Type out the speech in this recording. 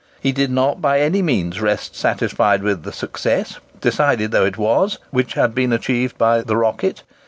He did not by any means rest satisfied with the success, decided though it was, which had been achieved by the "Rocket."